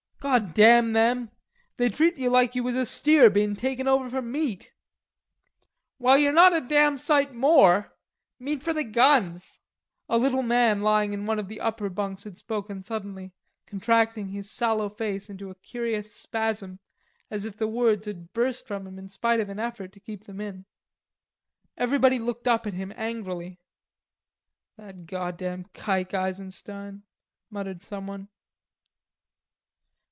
"God damn them. They treat you like you was a steer being taken over for meat." "Well, you're not a damn sight more. Meat for the guns." A little man lying in one of the upper bunks had spoken suddenly, contracting his sallow face into a curious spasm, as if the words had burst from him in spite of an effort to keep them in. Everybody looked up at him angrily. "That goddam kike Eisenstein," muttered someone.